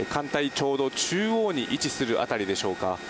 ちょうど中央に位置する辺りでしょうか